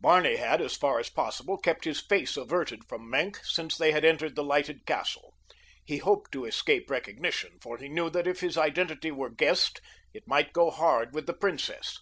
Barney had, as far as possible, kept his face averted from Maenck since they had entered the lighted castle. He hoped to escape recognition, for he knew that if his identity were guessed it might go hard with the princess.